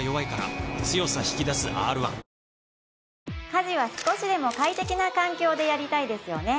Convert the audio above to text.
家事は少しでも快適な環境でやりたいですよね